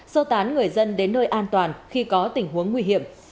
sơ tán người dân đến nơi an toàn khi có tình huống nguy hiểm